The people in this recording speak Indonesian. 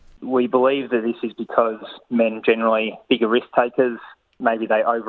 kami percaya bahwa ini karena laki laki biasanya lebih besar yang mengambil risiko